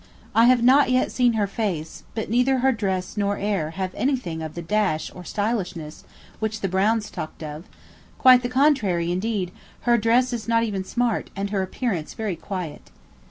I have not yet seen her face, but neither her dress nor air have anything of the dash or stylishness which the Browns talked of; quite the contrary; indeed, her dress is not even smart, and her appearance very quiet.